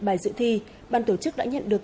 bài dự thi bàn tổ chức đã nhận được